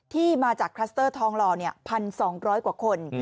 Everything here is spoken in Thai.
ที่มาจากคลัสเตอร์ทองหล่อ๑๒๐๐กว่าคน